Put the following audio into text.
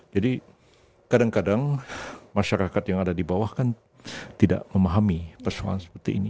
jadi kadang kadang masyarakat yang ada di bawah kan tidak memahami persoalan seperti ini